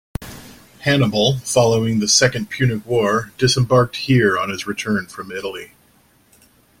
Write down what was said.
Hannibal, following the second Punic War, disembarked here on his return from Italy.